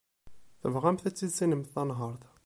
Tebɣamt ad tissinemt tanhaṛt.